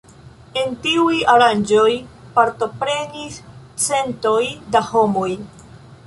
En tiuj aranĝoj partoprenis centoj da homoj.